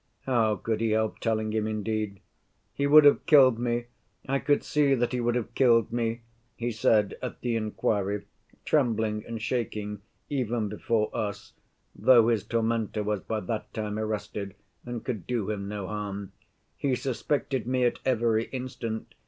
How could he help telling him, indeed? 'He would have killed me, I could see that he would have killed me,' he said at the inquiry, trembling and shaking even before us, though his tormentor was by that time arrested and could do him no harm. 'He suspected me at every instant.